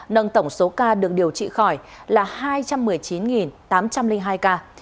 nâng tổng số ca được điều trị khỏi là hai trăm một mươi chín tám trăm linh hai ca